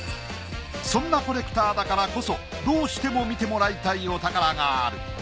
そんなコレクターだからこそどうしても見てもらいたいお宝がある。